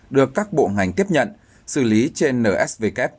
được các bộ ngành tiếp nhận xử lý trên nsvk